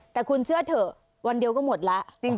แต่คุณเชื่อเถอะวันเดียวก็หมดแล้ว